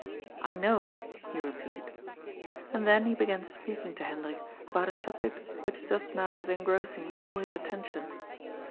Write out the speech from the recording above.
^ I know," he repeated. And then he began speaking to Hendrik about a subject which just now was engrossing all his attention.